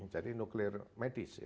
jadi nuklir medis ya